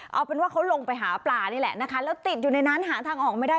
เอาเป็นว่าเขาลงไปหาปลานี่แหละนะคะแล้วติดอยู่ในนั้นหาทางออกไม่ได้